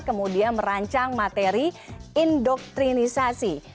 kemudian merancang materi indoktrinisasi